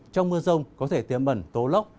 trong mưa rông có thể tiêm bẩn tố lốc